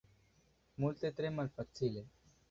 Multe tre malfacile.